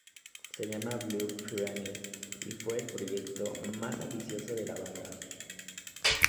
Se llamaba "Blue Pyramid"y fue el proyecto más ambicioso de la banda.